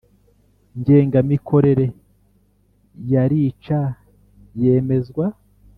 Ngengamikorere ya rica yemezwa